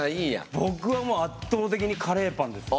僕はもう圧倒的にカレーパンですね。